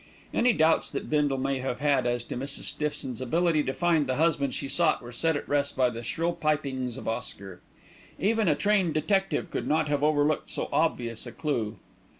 Any doubts that Bindle may have had as to Mrs. Stiffson's ability to find the husband she sought were set at rest by the shrill pipings of Oscar. Even a trained detective could not have overlooked so obvious a clue.